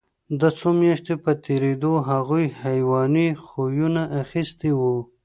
د څو میاشتو په تېرېدو هغوی حیواني خویونه اخیستي وو